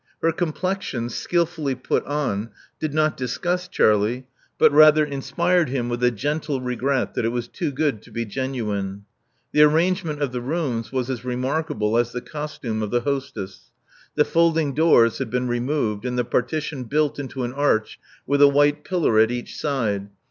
Her complexion, skilfully put on, did not disgust Charlie, but rather inspired him with a gentle regret that it was too good to be genuine. The arrangement of the rooms was as remarkable as the costume of the hostess. The fold ing doors had been removed, and the partition built into an arch with a white pillar at each side.